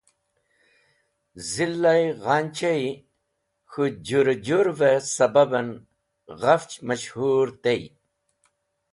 Zila Ghanche i K̃hu Jure Jurve sababẽn ghafch mash-hoor tey.